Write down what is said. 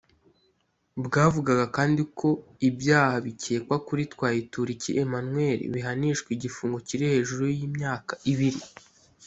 Bwavugaga kandi ko ibyaha bikekwa kuri Twayituriki Emmanuel bihanishwa igifungo kiri hejuru y’imyaka ibiri